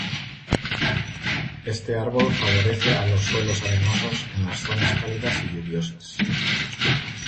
Este árbol favorece a los suelos arenosos en las zonas cálidas y lluviosas.